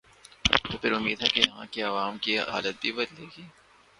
توپھر امید ہے کہ یہاں کے عوام کی حالت بھی بدلے گی۔